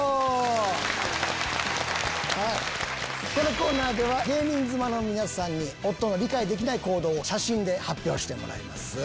このコーナーでは芸人妻の皆さんに夫の理解できない行動を写真で発表してもらいます。